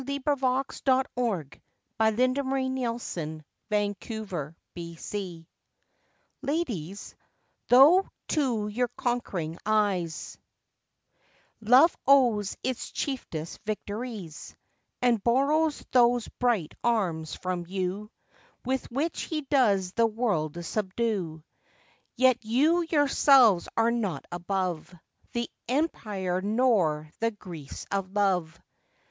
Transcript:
Thomas Stanley. LADIES' CONQUERING EYES. Ladies, though to your conquering eyes Love owes its chiefest victories, And borrows those bright arms from you With which he does the world subdue; Yet you yourselves are not above The empire nor the griefs of love.